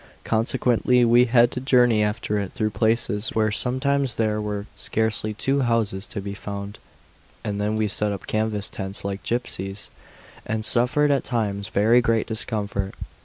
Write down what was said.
Consequently we had to journey after it through places where sometimes there were scarcely two houses to be found; and then we set up canvas tents like gipsies, and suffered at times very great discomfort.